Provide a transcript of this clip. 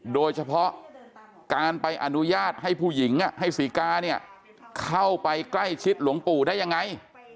โดยเฉพาะการไปอนุญาตให้ผู้หญิงให้ศรีกาเนี่ยเข้าไปใกล้ชิดหลวงปู่ได้ยังไง